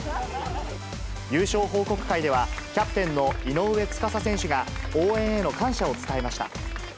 優勝報告会では、キャプテンの井上斗嵩選手が応援への感謝を伝えました。